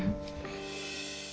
sienna mau tanam suami kamu